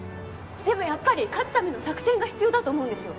でもやっぱり勝つための作戦が必要だと思うんですよ。